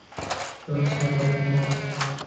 তোর সাথে একমত।